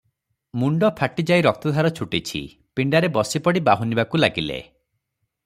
ମୁଣ୍ଡ ଫାଟିଯାଇ ରକ୍ତଧାର ଛୁଟିଛି, ପିଣ୍ଡାରେ ବସିପଡ଼ି ବାହୁନିବାକୁ ଲାଗିଲେ -